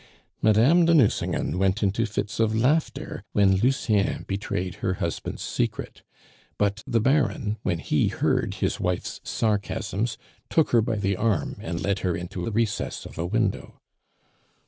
Madame de Nucingen went into fits of laughter when Lucien betrayed her husband's secret; but the Baron, when he heard his wife's sarcasms, took her by the arm and led her into the recess of a window.